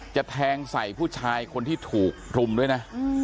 แทงใส่ผู้ชายคนที่ถูกรุมด้วยนะ